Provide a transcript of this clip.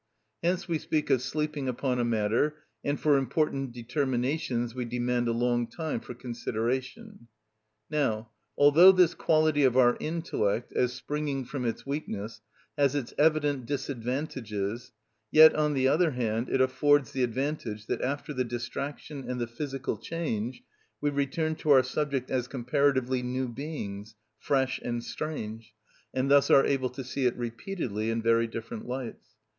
Hence we speak of sleeping upon a matter, and for important determinations we demand a long time for consideration. Now, although this quality of our intellect, as springing from its weakness, has its evident disadvantages, yet, on the other hand, it affords the advantage that after the distraction and the physical change we return to our subject as comparatively new beings, fresh and strange, and thus are able to see it repeatedly in very different lights.